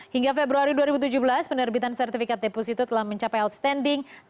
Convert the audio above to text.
hingga februari dua ribu tujuh belas penerbitan sertifikat deposito telah mencapai outstanding